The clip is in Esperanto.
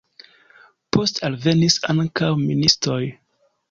Poste alvenis ankaŭ ministoj.